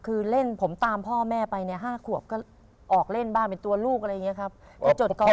คือเล่นผมตามพ่อแม่ไปเนี่ย๕ขวบก็ออกเล่นบ้านเป็นตัวลูกอะไรอย่างนี้ครับ